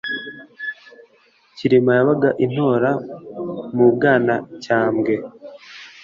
Cyirima yabaga i Ntora mu Bwanacyambwe;